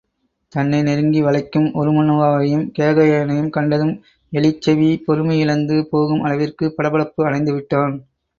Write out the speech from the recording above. தன்னை நெருங்கி வளைக்கும் உருமண்ணுவாவையும் கேகயனையும் கண்டதும் எலிச்செவி பொறுமை இழந்து போகும் அளவிற்குப் படபடப்பு அடைந்துவிட்டான்.